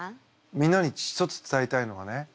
みんなに一つ伝えたいのはね